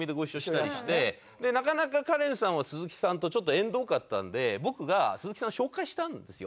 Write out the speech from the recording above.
でなかなかカレンさんは鈴木さんと縁遠かったんで僕が鈴木さんを紹介したんですよ。